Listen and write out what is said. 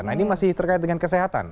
nah ini masih terkait dengan kesehatan